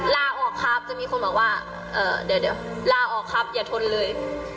ลาออกครับจะมีคนบอกว่าเดี๋ยวลาออกครับอย่าทนเลย